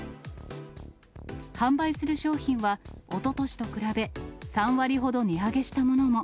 販売する商品は、おととしと比べ、３割ほど値上げしたものも。